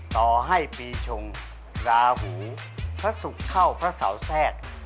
ต่อให้ปีชงราหูพระศุกร์เข้าพระเสาแทรก